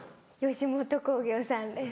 吉本興業さんです。